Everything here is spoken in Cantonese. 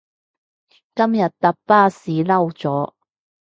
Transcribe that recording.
今日搭巴士嬲咗